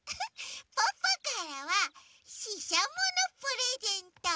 ポッポからはししゃものプレゼント。